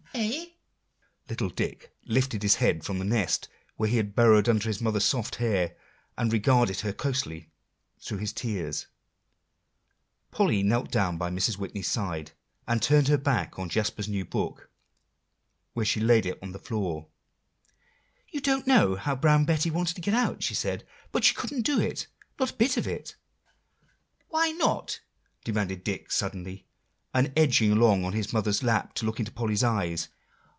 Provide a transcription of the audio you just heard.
"Eh?" Little Dick lifted his head from the nest where he had burrowed under his mother's soft hair, and regarded her closely through his tears. Polly knelt down by Mrs. Whitney's side, and turned her back on Jasper's new book, where she laid it on the floor. "You don't know how Brown Betty wanted to get out," she said; "but she couldn't do it, not a bit of it." "Why not?" demanded Dick suddenly, and edging along on his mother's lap to look into Polly's eyes.